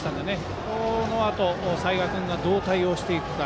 このあと齊賀君がどう対応していくか。